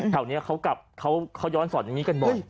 แถวนี้เขากลับเขาย้อนสอนอย่างนี้กันบ่อย